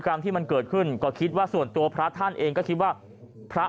กรรมที่มันเกิดขึ้นก็คิดว่าส่วนตัวพระท่านเองก็คิดว่าพระ